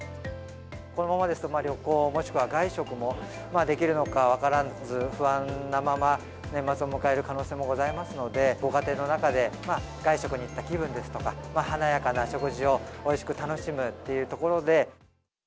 このままですと、旅行、もしくは外食もできるのか分からず、不安なまま、年末を迎える可能性もございますので、ご家庭の中で、外食に行った気分ですとか、華やかな食事をおいしく楽しむというところで。